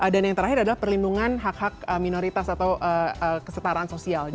dan yang terakhir adalah perlindungan hak hak minoritas atau kesetaraan sosial